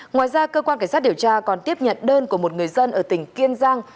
ngoài ra cơ quan cảnh sát điều tra còn tiếp nhận đơn của một người dân ở tỉnh kiên giang